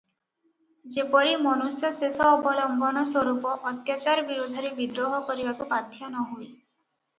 ଯେପରି ମନୁଷ୍ୟ ଶେଷ ଅବଲମ୍ବନ ସ୍ୱରୂପ ଅତ୍ୟାଚାର ବିରୁଦ୍ଧରେ ବିଦ୍ରୋହ କରିବାକୁ ବାଧ୍ୟ ନ ହୁଏ ।